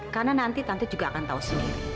karena nanti tante juga akan tahu sendiri